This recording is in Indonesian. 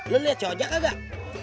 lu liat si ojak gak